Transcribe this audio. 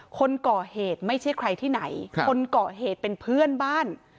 คนก่อเหตุไม่ใช่ใครที่ไหนคนก่อเหตุเป็นเพื่อนบ้าน